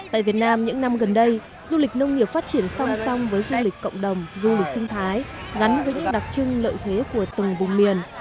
tại việt nam những năm gần đây du lịch nông nghiệp phát triển song song với du lịch cộng đồng du lịch sinh thái gắn với những đặc trưng lợi thế của từng vùng miền